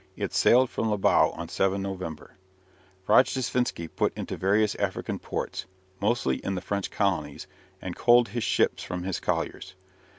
It sailed from Libau on 7 November. Rojdestvensky put into various African ports, mostly in the French colonies, and coaled his ships from his colliers.